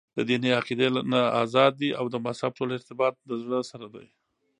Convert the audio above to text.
دديني عقيدي نه ازاد دي او دمذهب ټول ارتباط دزړه سره دى .